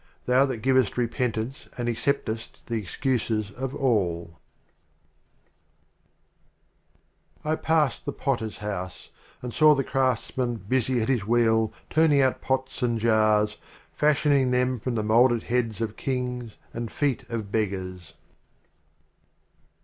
Thou That givest Repentance and acceptest the Excuses of All. * LXXXII AND LXXXIII. I passed the Potter's House, And saw the Craftsman busy at his Wheel, Turning out Pots and Jars, Fashioning them from the mold ered Heads of Kings and Feet of Beggars.